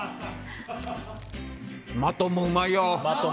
マトンもうまいよ！